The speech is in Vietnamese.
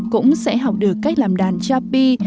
cũng sẽ học được cách làm đàn chapi